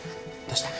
どうした？